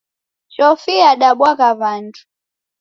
Chofi yadabwagha w'andu.